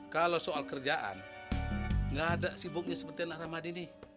kalau soal kerjaan gak ada sibuknya seperti bang rahmadi ini